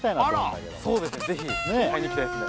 ぜひ買いに行きたいですね